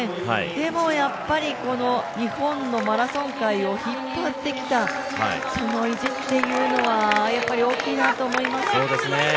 でも、やっぱりこの日本のマラソン界を引っ張ってきたその意地っていうのはやっぱり大きいなと思います。